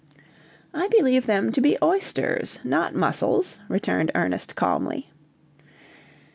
"I believe them to be oysters, not mussels," returned Ernest calmly.